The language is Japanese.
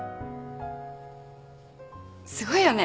すごいよね